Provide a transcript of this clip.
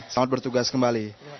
selamat bertugas kembali